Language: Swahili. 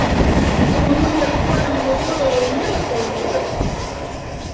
burundi walikuwa na mgogoro wa wenyewe kwa wenyewe